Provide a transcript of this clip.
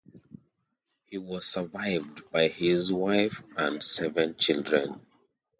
He was survived by his wife and seven children.